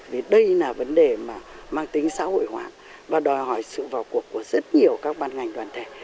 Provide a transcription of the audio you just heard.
vì đây là vấn đề mà mang tính xã hội hóa và đòi hỏi sự vào cuộc của rất nhiều các ban ngành đoàn thể